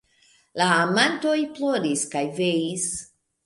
La amantoj ploris kaj veis.